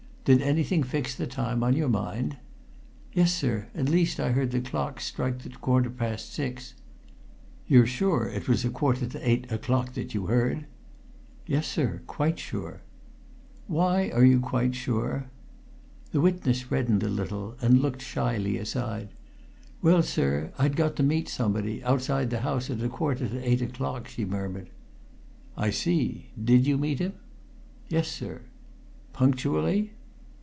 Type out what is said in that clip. "Did anything fix the time on your mind?" "Yes, sir at least, I heard the clocks strike the quarter just after. The Moot Hall clock, sir, and the parish church." "You're sure it was a quarter to eight o'clock that you heard?" "Yes, sir, quite sure." "Why are you quite sure?" The witness reddened a little and looked shyly aside. "Well, sir, I'd got to meet somebody, outside the house, at a quarter to eight o'clock," she murmured. "I see! Did you meet him?" "Yes, sir." "Punctually?"